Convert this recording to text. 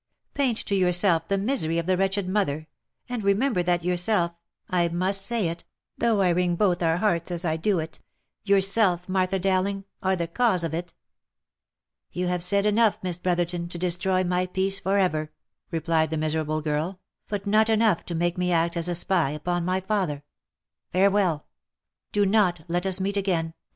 Paint to yourself the misery of the wretched mother, and re member that yourself— I must say it, though I wring both our hearts as I do it — yourself, Martha Dowling, are the cause of it." " You have said enough, Miss Brotherton, to destroy my peace for ever," replied the miserable girl, " but not enough to make me act as a spy upon my father. Farewell ! Do not let us meet again!